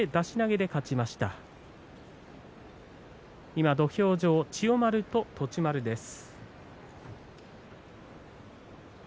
今、土俵上、千代丸と栃丸です。